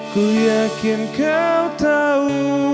ku yakin kau tahu